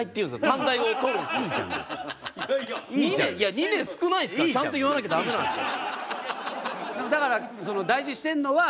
２年少ないんですからちゃんと言わなきゃダメなんですよ。